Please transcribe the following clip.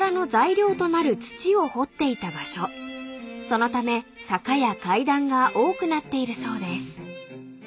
［そのため坂や階段が多くなっているそうです］